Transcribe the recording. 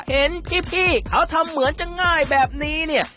เห็นพี่เขาทำเหมือนจะง่ายแบบนี้เนี่ย